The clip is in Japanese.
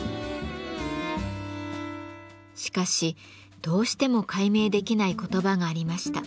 しかしどうしても解明できない言葉がありました。